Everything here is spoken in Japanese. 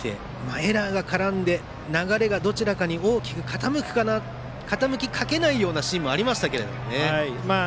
エラーが絡んで流れがどちらかに大きく傾きかけないようなシーンもありましたけどもね。